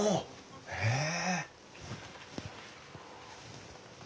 へえ。